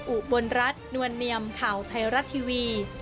อุบลรัฐนวลเนียมข่าวไทยรัฐทีวี